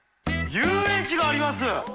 遊園地があります！